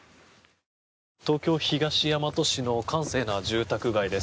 東京・東大和市の閑静な住宅街です。